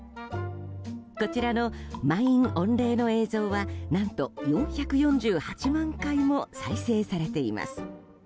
こちらの満員御礼の映像は何と、４４８万回も再生されています。